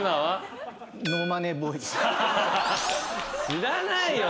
知らないよ